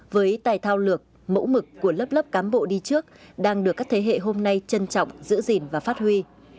với tài thao lược mẫu mực của lớp lớp cán bộ đi trước đang được các thế hệ hôm nay trân trọng giữ gìn và phát huy